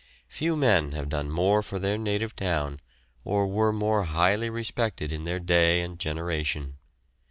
Few men have done more for their native town or were more highly respected in their day and generation.